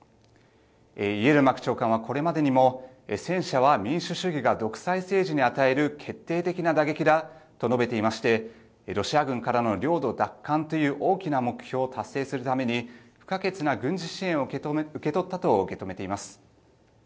イエルマク長官は、これまでにも戦車は民主主義が独裁政治に与える決定的な打撃だと述べていましてロシア軍からの領土奪還という大きな目標を達成するために不可欠な軍事支援を受け取ったと受け止めています。